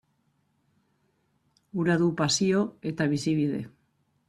Hura du pasio eta bizibide.